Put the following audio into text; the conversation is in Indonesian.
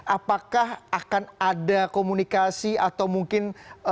apakah akan ada komunikasi atau mungkin